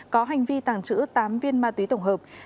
có hành vi tàng trữ tám viên ma túy tổng hợp